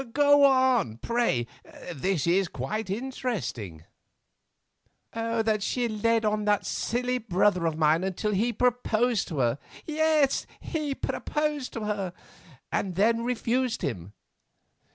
Go on, pray, this is quite interesting." "That she led on that silly brother of mine until he proposed to her—yes, proposed to her!—and then refused him.